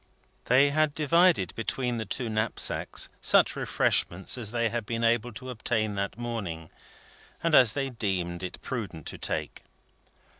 They had divided between the two knapsacks such refreshments as they had been able to obtain that morning, and as they deemed it prudent to take.